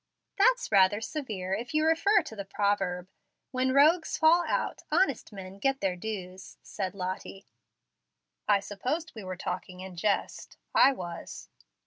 "That's rather severe if you refer to the proverb, 'When rogues fall out, honest men get their dues,'" said Lottie. "I supposed we were talking in jest; I was."